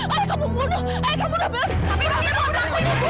ayah kamu membunuh ayah kamu dapet tapi panggil panggung aku ini bu